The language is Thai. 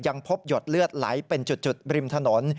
พบหยดเลือดไหลเป็นจุดริมถนน